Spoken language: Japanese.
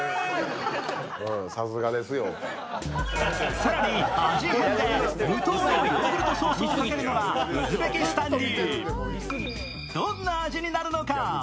更に味変で、無糖のヨーグルトソースをかけるのがウズベキスタン風。